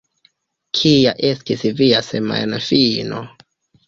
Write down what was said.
Kia estis via semajnfino?